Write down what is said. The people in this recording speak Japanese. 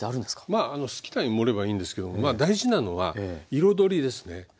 まあ好きなように盛ればいいんですけども大事なのは彩りですね。